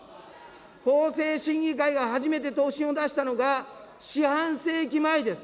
法制審議会が初めて答申を出したのが四半世紀前です。